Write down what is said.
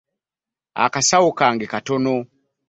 Akasawo kange katono.